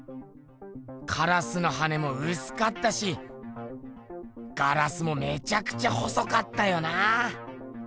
カラスの羽もうすかったしガラスもめちゃくちゃ細かったよな。